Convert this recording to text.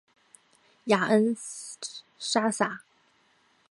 雅恩莎撒。